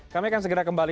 kami akan segera kembali